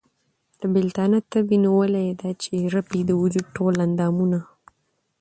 د بېلتانه تبې نيولی ، دا چې ئې رپي د وجود ټول اندامونه